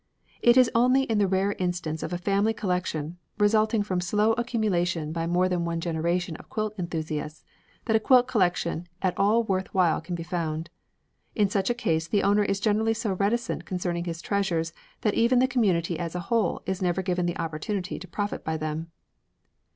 It is only in the rare instance of a family collection, resulting from the slow accumulation by more than one generation of quilt enthusiasts, that a quilt collection at all worth while can be found. In such a case the owner is generally so reticent concerning his treasures that the community as a whole is never given the opportunity to profit by them.